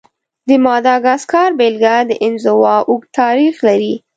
د ماداګاسکار بېلګه د انزوا اوږد تاریخ لري.